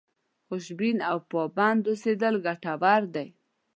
خوشبین او پابند اوسېدل ګټور چلند دی.